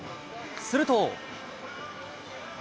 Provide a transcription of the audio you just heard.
すると。